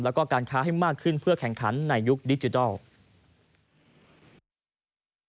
แล้วก็การค้าให้มากขึ้นเพื่อแข่งขันในยุคดิจิทัล